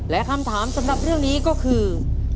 และคำถามสำหรับเรื่องนี้ก็คือ